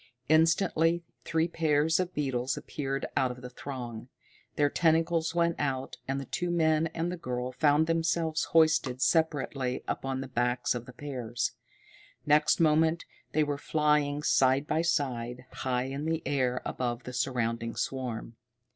Instantly three pairs of beetles appeared out of the throng. Their tentacles went out, and the two men and the girl found themselves hoisted separately upon the backs of the pairs. Next moment they were flying side by side, high in the air above the surrounding swarm.